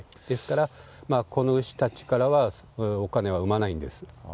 ですから、この牛たちからは、お金は生まないんです。